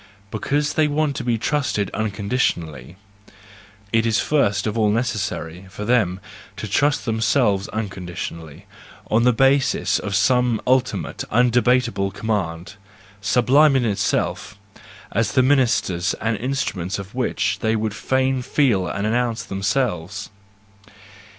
Because they want to be trusted unconditionally, it is first of all necessary for them to trust themselves uncon¬ ditionally, on the basis of some ultimate, undebat able command, sublime in itself, as the ministers and instruments of which, they would fain feel and announce themselves.